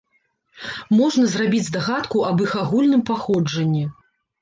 Можна зрабіць здагадку аб іх агульным паходжанні.